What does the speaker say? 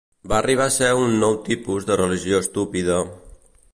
Va arribar a ser un nou tipus de religió estúpida ...